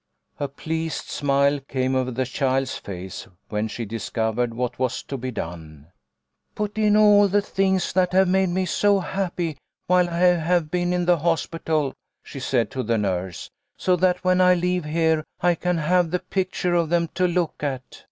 A pleased smile came over the child's face when she discovered what was to be done. " Put in all the things that have made me so happy while I have been in the hospital," she said to the nurse, " so that when I leave here I can have the picture of them to look at."